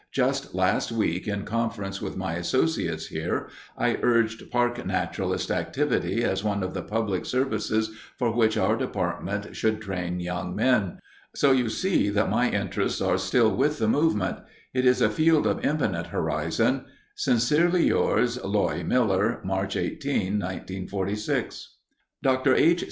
Just last week in conference with my associates here, I urged Park Naturalist activity as one of the public services for which our department should train young men. So you see that my interests are still with the movement. It is a field of infinite horizon. Sincerely yours, Loye Miller March 18, 1946. Dr. H.